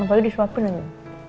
apalagi disuapin aja